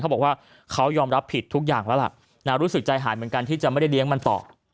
เขาบอกว่าเขายอมรับผิดทุกอย่างแล้วล่ะรู้สึกใจหายเหมือนกันที่จะไม่ได้เลี้ยงมันต่อ